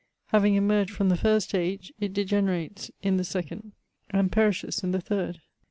Having emerged from the first age, it degenerates in the second, and perishes in the third.